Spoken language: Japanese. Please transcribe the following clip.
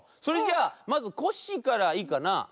それじゃあまずコッシーからいいかな？